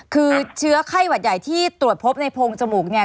คือเชื้อไข้หวัดใหญ่ที่ตรวจพบในโพงจมูกเนี่ย